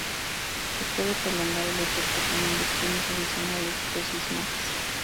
Se puede prolongar el efecto con inyecciones adicionales; dosis máx.